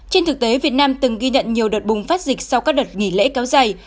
trên thực tế việt nam từng ghi nhận nhiều đợt bùng phát dịch sau các đợt nghỉ lễ kéo dài